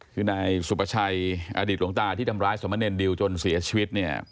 คือนายสุประชัยอดีตหลวงตาที่ทำร้ายสมเนรดิวจนเสียชีวิตเนี่ย